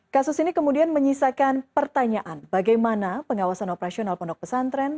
kasus ini kemudian menyisakan pertanyaan bagaimana pengawasan operasional pondok pesantren